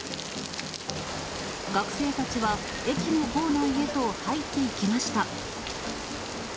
学生たちは、駅の構内へと入っていきました。